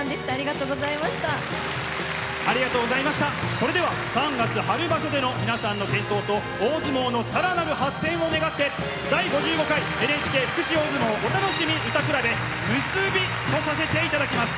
それでは３月春場所での皆さんの健闘と大相撲の更なる発展を願って「第５５回ＮＨＫ福祉大相撲お楽しみ歌くらべ」結びとさせて頂きます。